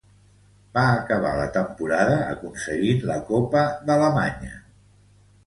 Va acabar la temporada aconseguint la Copa d'Alemanya.